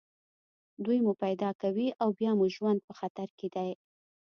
دوی مو پیدا کوي او بیا مو ژوند په خطر کې دی